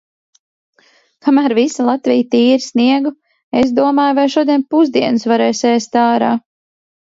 Kamēr visa Latvija tīra sniegu, es domāju, vai šodien pusdienas varēs ēst ārā.